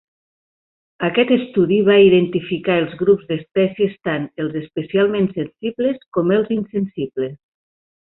Aquest estudi va identificar els grups d'espècies tant els especialment sensibles com els insensibles.